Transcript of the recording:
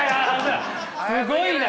すごいな。